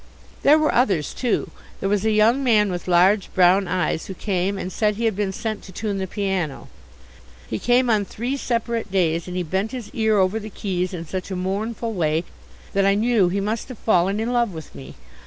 There were others too. There was a young man with large brown eyes who came and said he had been sent to tune the piano. He came on three separate days, and he bent his ear over the keys in such a mournful way that I knew he must have fallen in love with me.